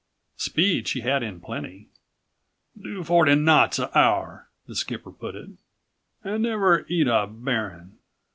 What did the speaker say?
Speed she had in plenty. "Do forty knots a 'our," the skipper put it, "an' never 'eat a bearin'."